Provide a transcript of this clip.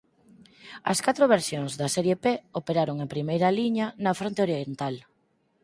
As catro versións da Serie P operaron en primeira liña na fronte oriental.